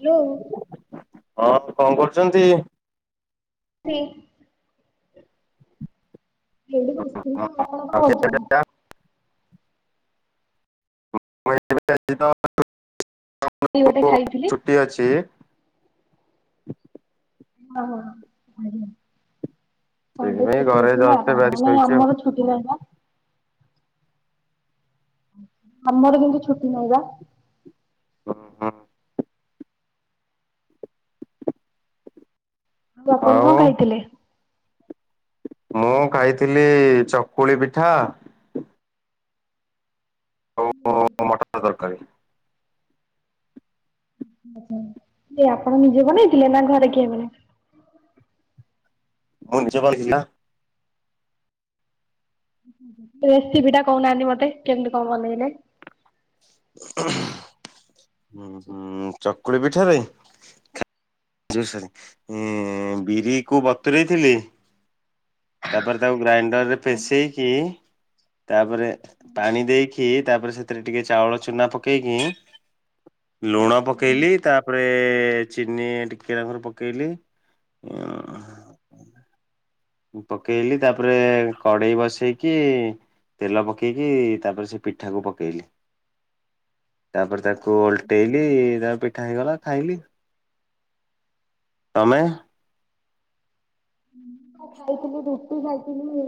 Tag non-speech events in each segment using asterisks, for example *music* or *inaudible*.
Hello. ହଁ କଁ କରୁଚନ୍ତି। ସେ *unintelligible* କଣ *unintelligible* କରୁଛନ୍ତି? *unintelligible* ସେଇ ଗୋଟେ ଖାଇଥିଲି କିଏ ଅଛି? ହ ଆଜ୍ଞା ଛୁଆଙ୍କର ସେଇଥିପାଇଁ ଛୁଟି ଘରେ ଅଛିନା ଜଷ୍ଟ ଏବେ ଆସି ମାନେ ଶୋଇଛି ଆଉ। ଆମର ଛୁଟି ନାହିଁପା। ଆମର କିନ୍ତୁ ଛୁଟି ନାହିଁବା। ହୁଁ ହୁଁ। ଆଉ ଆପଣ କଣ ଖାଇଥିଲେ? ମୁଁ ଖାଇଥିଲି ଚକୁଳି ପିଠା ଆଉ ମଟର ତରକାରୀ। ଓହୋ ଯୋ ଆପଣ ନିଜେ ବନେଇଥିଲେ ନାଘରେ କିଏ ମାନେ ମୁ ନିଜେ *unintelligible* ରେସିପିଟା କହୁନାହାନ୍ତି ମତେ କେମିତି କଣ ବନେଇଲେ? ଉଁ ହୁଁ ଚକୁଳି ପିଠାରେ ଖା ଜୋଉ ସରି ବିରିକୁ ବତୁରେଇଥିଲି ତାପରେ ତାକୁ ଗ୍ରାଇଣ୍ଡରରେ ପେସେଇକି ତାପରେ ପାଣି ଦେଇକି ତାପରେ ସେଥିରେ ଟିକେ ଚାଉଳ ଚୁନା ପକେଇକି ଲୁଣ ପକେଇଲି ତା ତାପରେ ଚିନି ଟିକେ ନାଗୁରୁ ପକେଇଲି ପକେଇଲି ତାପରେ କଡ଼େଇ ବସେଇକି ତେଲ ପକେଇକି ତାପରେ ସେପିଠାକୁ ପକେଇଲି *inaudible* ତାପରେ ତାକୁ ଓଲଟେଇଲି ତାପରେ ପିଠା ହେଇଗଲା। ଖାଇଲି ତମେ? ହଁ ଖାଇଥିଲି ରୁଟି ଖାଇଥିଲି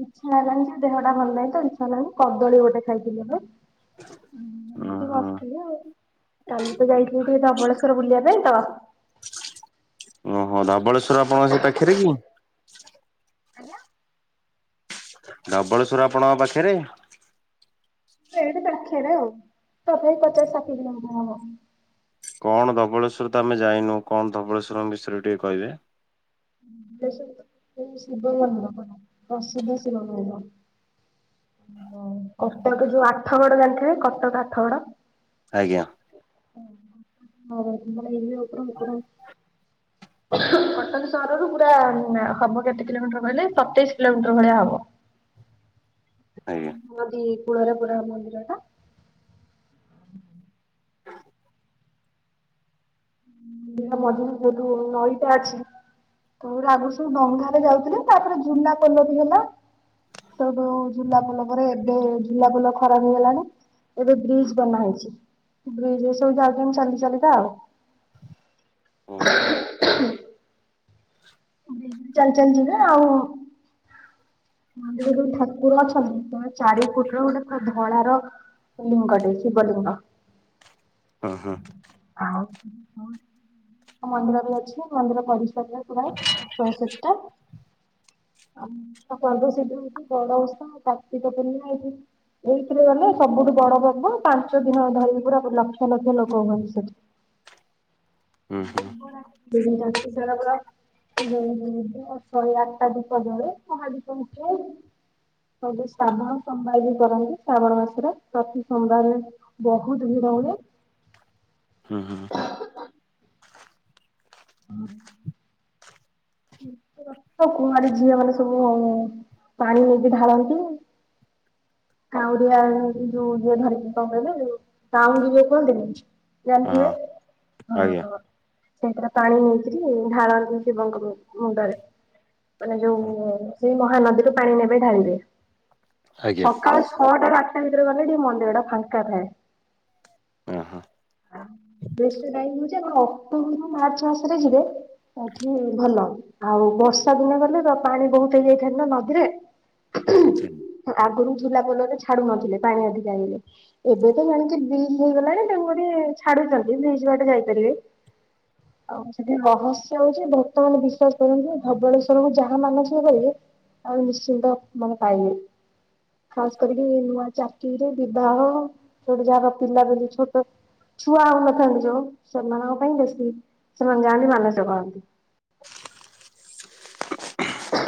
ଇଚ୍ଛା ହେଲାନିଯେ ଦେହଟା ଭଲ ନାହିଁତ ଇଚ୍ଛା ହେଲାନି କଦଳୀ ଗୋଟେ ଖାଇଥିଲି।। *inaudible* ଏମତି ବସିଥିଲି ଆଉ, କାଲି ତ ଯାଇଥିଲି ଟିକେ ଧବଳେଶ୍ୱର ବୁଲିବାପାଇଁ ତ ଓହୋ, ଧବଳେଶ୍ୱର ଆପଣଙ୍କ ସେ ପାଖେରେ କି? ଆଜ୍ଞା ଧବଳେଶ୍ୱର ଆପଣଙ୍କ ପାଖେରେ? ଏଇଠି ପାଖେରେ ଆଉ, ତଥାପି ପଚାଶ ଷାଠିଏ କିଲୋମିଟର ହବ। କଣ ଧବଳେଶ୍ୱର ତ ଆମେ ଯାଇନୁ, କଣ ଧବଳେଶ୍ୱରଙ୍କ ବିଷୟରେ ଟିକେ କହିବେ। *unintelligible* ପ୍ରସିଦ୍ଧ *unintelligible* ଓ କଟକ ଯୋଉ ଆଠଗଡ ଜାଣିଥିବେ, କଟକ, ଆଠଗଡ ଆଜ୍ଞା। *inaudible* କଟକ ସହରରୁ ପା ହବ କେତେ କିଲୋମିଟର କହିଲେ ସତେଇଶ କିଲୋମିଟର ଭଳିଆ ହବ। ଆଜ୍ଞା। ନଦୀ କୂଳରେ ପୁରା ମନ୍ଦିର ଟା। *inaudible* ନଈଟା ଅଛି ତୋ ଆଗୁରୁ ସବୁ ବଂଙ୍ଘା ଯାଉଥିଲେ ତାପରେ ଜୁଲାପୋଲ ବି ହେଲା। ସେଠୁ ଝୁଲାପୋଲ ପରେ ଏବେ ଝୁଲାପୋଲ ଖରାପ ହେଇଗଲାଣି। ଏବେ ବ୍ରିଜ୍ ବନା ହେଇଛି। ବ୍ରିଜ୍ ଏ ସବୁ ଯାଉଛନ୍ତି ଯାଉଛି ଚାଲି ଚାଲିିବା ଆଉ। ଓହୋ। ହୁଁ। ଚାଲି ଚାଲି ଯିବେ ଆଉ, ମନ୍ଦିର ଯୋଉ ଠାକୁର ଅଛନ୍ତି ଚାରି ଫୁଟ ର ଗୋଟେ ଧଳା ର ଲିଙ୍ଗଟେ ଶିବଲିଙ୍ଗ। ହଁ ହଁ। ମନ୍ଦିର ବି ଅଛି ମନ୍ଦିର ପରିସରରେ ଚୟାଶଠୀଟା ଆଉ ତା ପର୍ବ *unintelligible* ହଉଛି ବଡଓଷା ଆଉ କାର୍ତ୍ତିକ ପୂର୍ଣ୍ଣିମା। ଏଇଥିରେ ଗଲେ ସବୁଠୁ ବଡ ପର୍ବ, ପାଞ୍ଚ ଦିନ ଧରିକି ପୁରା ଲକ୍ଷ ଲକ୍ଷ ଲୋକ ହୁଅନ୍ତି ସେଠି। ହୁଁ ହୁଁ ଶିବରା ରାତି ସାରା ପୁରା *inaudible* ଶହେ ଆଠଟା ଦୂପ ଜଳେ, ମହାଦୀପ ଉଠେ। ସବୁ ଶ୍ରାବଣ ସୋମବାଇ ବି କରନ୍ତି ଶ୍ରାବଣ ମାସରେ, ପ୍ରତି ସୋମବାରରେ ବହୁତ ଭିଡ ହୁଏ ହୁଁ ହୁଁ। *inaudible* *inaudible* କୁଆଁରୀ ଝିଅମାନେ ସବୁ ପାଣି ନେଇକି ଢାଳନ୍ତି। କାଉଡିଆ ଯୋଉ ଯିଏ ଧରିକି କଣ କହିଲେ ଯୋଉ କାଉଁଙ୍ଗୀ ଯୋଉ କୁହନ୍ତିନି ୟା ହଁ ହୁଏ। ହଁ ଆଜ୍ଞା ହଁ। ସେଇଥେରେ ପାଣି ନେଇକିରି ଢାଳନ୍ତି ଶିବଙ୍କ ମୁ ମୁଣ୍ଡରେ। ମାନେ ଯୋଉ ସେଇ ମହାନଦୀରୁ ପାଣି ନେବେ ଢାଳିବେ। ଆଜ୍ଞା ସକାଳ ଛଅଟା ରୁ ଆଠଟା ଭିତରେ ଗଲେ ଟିକେ ମନ୍ଦିର ଟା ଫାଙ୍କା ଥାଏ। ଓଁ ହଁ। ବେଶ ଟାଇମ୍ ହଉଛି ଆପଣ ଅକ୍ଟୋବରରୁୁ ମାର୍ଚ୍ଚ ମାସରେ ଯିବେ ଏଠି ଭଲ ଆଉ ବର୍ଷା ଦିନେ ଗଲେ ତ ପାଣି ବହୁତ ହେଇଯାଇଥାଏ ନା ନଦୀରେ *inaudible* ହୁଁ। ହଁ ଆଗୁରୁ ଝୁଲାପୋଲରେ ଛାଡୁନଥିଲେ ପାଣି ଅଧିକା ଆଇଲେ। ଏବେ ତ ଜାଣିଚି ବ୍ରିଜ୍ ହେଇଗଲାଣି ତେଣୁକରି ଛାଡୁଛନ୍ତି ବ୍ରିଜ୍ ବାଟେ ଯାଇପାରିବେ। ହ ଆଉ ସେଠି ରହସ୍ୟ ହଉଛି ଭକ୍ତ ମାନେ ବିଶ୍ଵସ କରନ୍ତୁ ଭବଳେଶ୍ଵର କୁ ଯାହା ମାନସିକ କରିବେ ଆଉ ନିଶ୍ଚିନ୍ତ ମାନେ ପାଇବେ। ଖାସ କରିକି ନୂଆ ଚାକିରିରେ ବିବାହ ସେଉଠୁ ଯାର ପିଲା ପିଲି ଛୋଟ ଛୁଆ ହଉ ନଥାନ୍ତି ଯୋଉ ସେମାନଙ୍କ ପାଇଁ ବେଶୀ ସେମାନେ ଯାଆନ୍ତି ମାନସିକ କରନ୍ତି।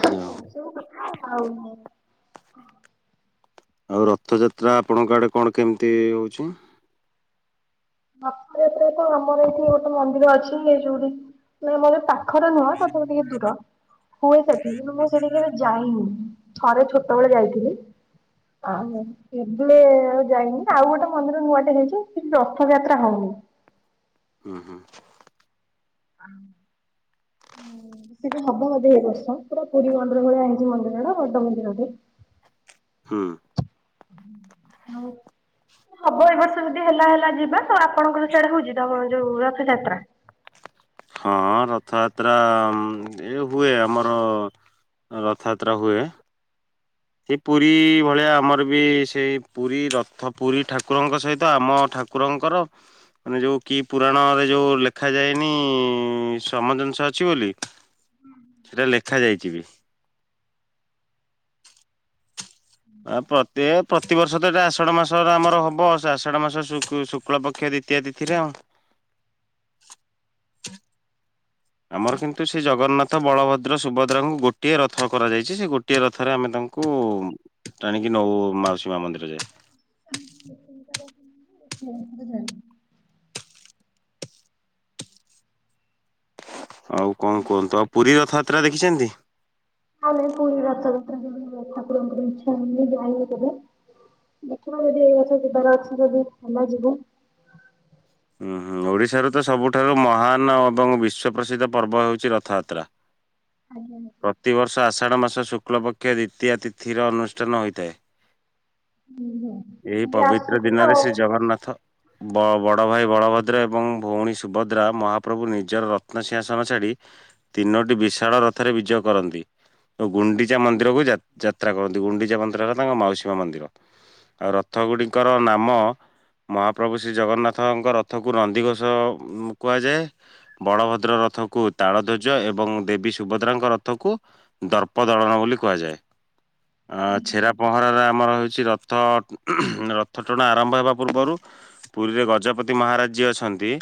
ୟି ଅ ସବୁ କଥା ଆଉ ନାହିଁ। ଆଉ ରଥଯାତ୍ରା ଆପଣଙ୍କ ଆଡେ କଣ କେମିତି ହଉଛି। ରଥ ଯାତ୍ରା ତ ଆମର ଏହିଠି ଗୋଟେ ମନ୍ଦିର ଅଛିି ଏହିଠି ଗୁଡି। ନା ମୋଏ ପାଖରେ ନୁହଁ ତଥାପି ଟିକେ ଦୂର ହୁଏ ସେଠି କିନ୍ତୁ ମୁଁ ସେଠି କେବେ ଯାଇନି। ଥରେ ଛୋଟବେେଳେ ଯାଇଥିଲି *inaudible* ହେଲେ ଯାଇନି ଆଉ ଗୋଟେ ମନ୍ଦିର ନୂଆଟେ ହେଇଛି ସେଠି ରଥଯାତ୍ରା ହଉନି। ହୁଁ ହୁଁ ହମ୍ଁ ହୁଁ ସେଠି ହବ ବଧେ ଏଇ ବର୍ଷ ପୁରା ପୁରୀ ମଣ୍ଡିର ଭଳିଆ ହେଇଛି ମନ୍ଦିରଟା ବଡ ମନ୍ଦିରଟେ। ହୁଁ ହାଲୋ ହବ ଏ ବର୍ଷ ଯଦି ହେଲା ହେଲା ଯିବା ତ ଆପଣଙ୍କ ସେଇଆଡେ ହଉ ଯିଦାବହ ଯୋଉ ରଥଯାତ୍ରା ହଁ ରଥଯାତ୍ରା ଉଁ ଏ ହୁଏ ଆମର ରଥଯାତ୍ରା ହୁଏ। ସେ ପୁରୀ ଭଳିଆ ଆମର ବି ସେଇ ପୁରୀ ରଥ ପୁରୀ ଠାକୁରଙ୍କ ସହିତ ଆମ ଠାକ କୁକୁରଙ୍କର ମାନେ ଯେଉଁ କି ପୁରାଣରେ ଯେଉଁ ଲେଖାଯାଏନି ସମଜିନିଷ ଅଛି ବୋଲି ହଁ *inaudible* ସେଇଟା ଲେଖା ଯାଇଛି ବି। ଆ ପ୍ରତ୍ଯୟ ପ୍ରତିବର୍ଷ ତ ଏଟା ଆଷାଢ ମାସର ଆମର ହବ ସେ ଆଷାଢ ମାସ ଶୁ ଶୁକ୍ଳ ପକ୍ଷ ଦିତି ଇତ୍ୟା ତିଥିରେ ଆଉ। ଆମର କିନ୍ତୁ ସେ ଜଗନ୍ନାଥ ବଳଭଦ୍ର ସୁଭଦ୍ରାଙ୍କୁ ଗୋଟିଏ ରଥ କରାଯାଇଛି ସେଗୋ ଗୋଟିଏ ରଥରେ ଆମେ ତାଙ୍କୁ ଟାଣିକି ନଉ ମାଉସୀ ମା ମନ୍ଦିର ଯାଏ *unintelligible* ଆଉ କଣ କୁହନ୍ତୁ, ଆଉ ପୁରୀ ରଥଯାତ୍ରା ଦେଖିଛନ୍ତି। ଆମେ ପୁରୀ ରଥଯାତ୍ରା ହେଲେ ଠାକୁରଙ୍କ *inaudible* ଯାଇ ନୁ ସବୁ। ଦେଖିବା ଯଦି ଏଇ ବର୍ଷ ଯିବାର ଅଛି ଯଦି ଆମେ ଯିବୁ। ଉଁ ହୁଁ ଓଡ଼ିଶାରୁ ତ ସବୁଠାରୁ ମହାନ ଅବଂ ବିଶ୍ୱପ୍ରସିଦ୍ଧ ପର୍ବ ହେଉଛି ରଥଯାତ୍ରା। ଆଜ୍ଞା! ଆଜ୍ଞା ପ୍ରତିବର୍ଷ ଆଷାଢ଼ ମାସ ଶୁକ୍ଲପକ୍ଷ ଦ୍ୱିତୀୟା ତିଥିରେ ଅନୁଷ୍ଠାନ ହୋଇଥାଏ। *unintelligible* ଏଇ ପବିତ୍ର ଆସୁଛି ତ। ଦିନରେ ଶ୍ରୀ ଜଗନ୍ନାଥ ବ ବଡ଼ଭାଇ ବଳଭଦ୍ର ଏବଂ ଭଉଣୀ ସୁଭଦ୍ରା, ମହାପ୍ରଭୁ ନିଜର ରତ୍ନସିିଂହାସନ ଛାଡ଼ି ତିନୋଟି ବିଶାଳ ରଥରେ ବିଜେ କରନ୍ତି। ତ ଗୁଣ୍ଡିଚା ମନ୍ଦିରକୁ ଯା ଯାତ୍ରା କରନ୍ତି। ଗୁଣ୍ଡିଚା ମନ୍ଦିରର ତାଙ୍କ ମାଉସୀମା ମନ୍ଦିର। ଅ ରଥ ଗୁଡ଼ିକର ନାମ ମହାପ୍ରଭୁ ଶ୍ରୀ ଜଗନ୍ନାଥଙ୍କର ରଥକୁ ନନ୍ଦିଘୋଷ କୁହାଯାଏ। ବଳଭଦ୍ର ରଥକୁ ତାଳ ଧ୍ୱଜ ଏବଂ ଦେବୀ ସୁଭଦ୍ରାଙ୍କ ରଥକୁ ଦର୍ପ ଦଳନ ବୋଲି କୁହାଯାଏ। ଆ ଛେରା ପହଁରାରେ ଆମର ହେଉଛି ରଥ ରଥ ଟଣା ଆରମ୍ଭ ହେବା ପୂର୍ବରୁ ପୁରୀରେ ଗଜପତି ମହାରାଜ ଯିଏ ଅଛନ୍ତି।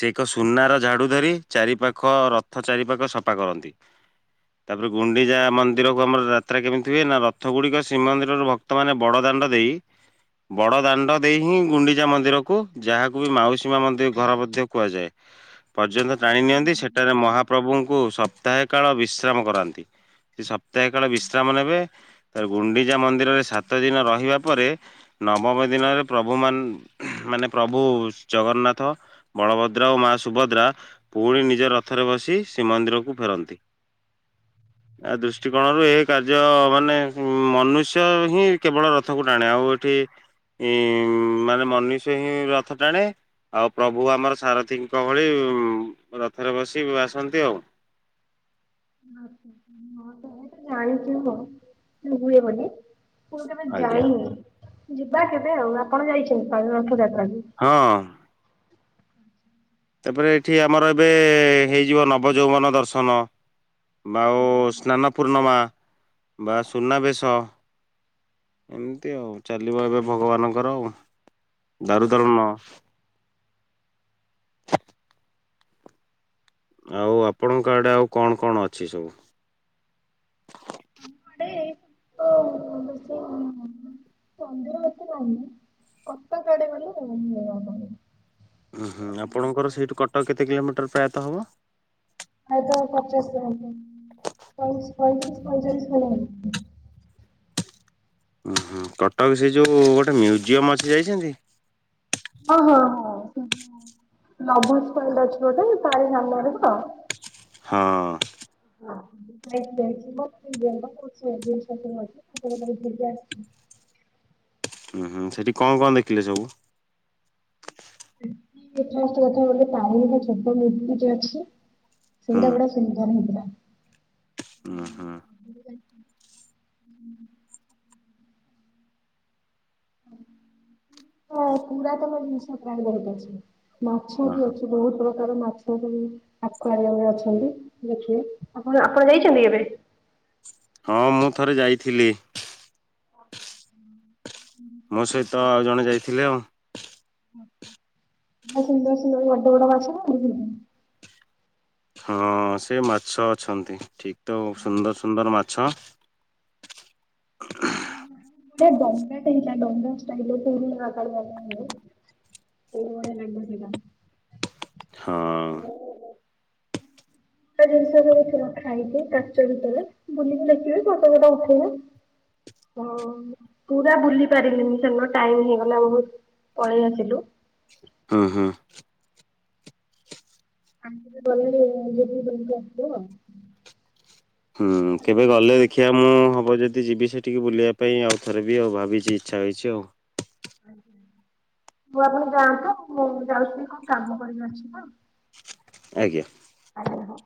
ସେ ଏକ ସୁନାର ଝାଡୁ ଧରି ଚାରି ପାଖ ର ଥ ଚାରିପାଖ ସଫା କରନ୍ତି। *unintelligible* ତାପରେ ଗୁଣ୍ଡିଚା ମନ୍ଦିରକୁ ଆମର ଯାତ୍ରା କେମିତି ହୁଏ ନା ରଥଗୁଡ଼ିକ ଶ୍ରୀମନ୍ଦିରରୁ ଭକ୍ତମାନେ ବଡ଼ ଦାଣ୍ଡ ଦେଇ ବଡ ଦାଣ୍ଡ ଦେଇ ହିଁ ଗୁଣ୍ଡିଚା ମନ୍ଦିରକୁ ଯାହାକୁ ବି ମାଉସୀମା ମନ୍ଦିର ଘର ମଧ୍ୟ କୁହାଯାଏ। ପର୍ଯ୍ୟନ୍ତ ଟାଣି ନିଅନ୍ତି ସେଠାରେ ହଁ। ମହାପ୍ରଭୁଙ୍କୁ ସପ୍ତାହେ କାଳ ବିଶ୍ରାମ କରାନ୍ତି। ସେ ସପ୍ତାହେ କାଳ ବିଶ୍ରାମ ନେବେ ଏ ଗୁଣ୍ଡିଚା ମନ୍ଦିରରେ ସାତ ଦିନ ରହିବା ପରେ ନବମ ଦିନରେ ପ୍ରଭୁମାନ ମାନେ ପ୍ରଭୁ ଜଗନ୍ନାଥ ବଳଭଦ୍ର ଓ ମା ସୁଭଦ୍ରା ପୁଣି ନିଜ ରଥରେ ବସି ଶ୍ରୀମନ୍ଦିରକୁ ଫେରନ୍ତି। *unintelligible* ଆ ଦୃଷ୍ଟିକୋଣରୁ ଏ କାର୍ଯ୍ୟ ମାନେ ମନୁଷ୍ୟ ହିଁ କେବଳ ରଥକୁ ଟାଣେ ଆଉ ଏଠି ଇଁ ମାନେ ମନୁଷ୍ୟ ହିଁ ରଥ ଟାଣେ। ଆଉ ପ୍ରଭୁ ଆମର ସାରଥୀଙ୍କ ଭଳି ଉ ରଥରେ ବସି ଆସନ୍ତି ଆଉ। ହଁ ମୁଁ ତ ଯାଣିଛି ମୁଁ ହୁଏ ବୋଲି। ମୁଁ କେବେ ଆଜ୍ଞା ଯାଇନି ଯିବା କେବେ ଆଉ ଆପଣ ଯାଇଛନ୍ତି କାଳେ ରଥଯାତ୍ରା କୁ? ହଁ। ଏବେ ଏଠି ଆମର ଏବେ ହେଇଯିବ ନବଯୌବନ ଦର୍ଶନ। ବା ଆଉ ସ୍ନାନ ପୂର୍ଣ୍ଣମା ବା ସୁନାବେଶ। ଏମିତି ଆଉ ଚାଲିବ ଏବେ ଭଗବାନଙ୍କର ଆଉ ଦାରୁଦଳନ। ଆଉ ଆପଣଙ୍କ ଆଡ଼େ ଆଉ କଣ କଣ ଅଛି ସବୁ? *unintelligible* ମନ୍ଦିର ଏତେ ନାହିଁ କଟକ ଆଡେ ଗଲେ ମିଳିବ ସବୁ ଉଁ ହୁଁ ଆପଣଙ୍କର ସେଇଠୁ କଟକ କେତେ କିଲୋମିଟର ପ୍ରାୟତଃ ହବ? ପ୍ରାୟତଃ ପଚାଶ କିଲୋମିଟର ପଇଁଚ ପଇଁତିରିଶି, ପଇଁଚାଳିଶ ଖଣ୍ଡେ ହବ। ହୁଁ କଟକ ସେ ଯେଉଁ ଗୋଟେ ମ୍ୟୁଜିୟମ୍ ଅଛି ଯାଇଛନ୍ତି? ହଁ ହଁ ହଁ। *unintelligible* ଲଭୁଲସ୍ ପଏଣ୍ଟ ଅଛି ଗୋଟେ ତାରି ସାମ୍ନାରେ ତ? ହଁ। *unintelligible* ହୁଁ ହୁଁ ସେଠି କଣ କଣ ଦେଖିଲେ ସବୁ? ସମସ୍ତ କଥା ଗଲେ ପାଣି ବି ଛୋଟ ମୂର୍ତ୍ତିଟେ ଅଛି ହୁଁ ସେଇଟା ଗୋଡେ ସୁନ୍ଦର ହେଇଥିଲା। ଉଁ ହୁଁ। ହଁ ପୁରାତନ ଜିନିଷ ପ୍ରାୟ ବହୁତ ଅଛି। ମାଛ ଅହ ବି ଅଛି ବୋହୁତ ପ୍ରକାର ମାଛ ଆକ୍ୟୁରିୟମରେ ଅଛନ୍ତି ଦେଖିବେ ଆପଣ ଆପଣ ଯାଇଛନ୍ତି କେବେ? ହଁ ମୁଁ ଥରେ ଯାଇଥିଲି। ମୋ ସହିତ ଆଉ ଜଣେ ଯାଇଥିଲେ ଆଉ। ଆ ସୁନ୍ଦର ସୁନ୍ଦର ବଡ଼ ବଡ ମାଛ ନାଇ ହଁ ସେ ମାଛ ଅଛନ୍ତି ଠିକ ତ ସୁନ୍ଦର ସୁନ୍ଦର ମାଛ। ଉଁ ହୁଁ। ଆ ଡଙ୍ଗାଟେ ହେଇଥିଲା ଡଙ୍ଗାଷ୍ଟାଇଲର ତ ହେଇଥିଲା *unintelligible* ବହୁବଢିଆ ଲାଗିବ ସେଇଟା। ହଁ। କେତେ ଜିନିଷ ସେଠି ରଖାହେଇଚି କାଚ ଭିତରେ ବୁଲିକି ଦେଖିବେ ଫଟ ଫଟ ଉଠେଇବେ। ହଁ ପୁରା ବୁଲି ପାରିଲିନି ସେଦିନ ଟାଇମ ହେଇଗଲା ବହୁତ୍ ପଳେଇ ଆସିଲୁ। ଉଁ ହୁଁ। ଆମେ କେବେ ଗଲେ ବି *inaudible* ବୁଲିକି ଆସିବୁ ଆଉ। ହୁଁ ସାର୍ କେବେ ଆପଣ ଗଲେ ଯାଆନ୍ତୁ ଦେଖିଆ କଣ ମୁଁ କରିବେ ହବ ଯଦି ଦି ଯିବି ସେଠିକି ବୁଲିବା ପାଇଁ ଆଉଥରେ ବି ଆଉ ଭାବିଚି ଇଚ୍ଛା ହେଇଚି ଆଉ। *inaudible* ହଉ ଆପଣ ଯାଆନ୍ତୁ ମୁଁ ଯାଉଥିଲି କଣ କାମ କରିବି ଅଛି ତ। ଆଜ୍ଞା। ଆଜ୍ଞା ହଁ।